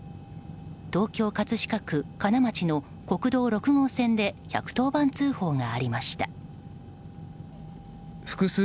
東京・葛飾区金町の国道６号線で１１０番通報がありました。